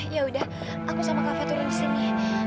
ya udah aku sama kak fah turun di sini